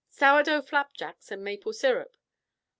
"Sour dough flapjacks and maple syrup."